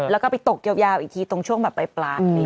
แล้วก็ไปตกยาวอีกทีตรงช่วงแบบปลาย